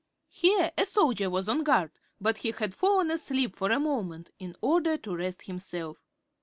Here a soldier was on guard, but he had fallen asleep for a moment, in order to rest himself.